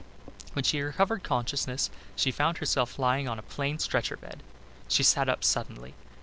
When she recovered consciousness she found herself lying on a plain stretcher bed. She sat up suddenly.